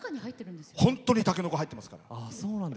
本当にたけのこ入ってますから。